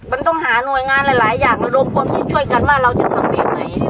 มันต้องหาหน่วยงานหลายหลายอย่างรวมความที่ช่วยกันว่าเราจะต้องเป็นไหน